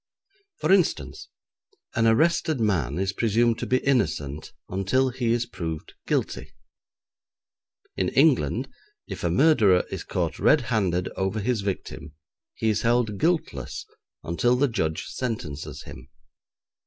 For instance, an arrested man is presumed to be innocent until he is proved guilty. In England, if a murderer is caught red handed over his victim, he is held guiltless until the judge sentences him.